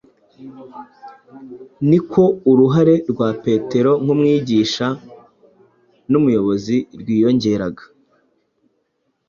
ni ko uruhare rwa petero nk’umwigisha n’umuyobozi rwiyongeraga;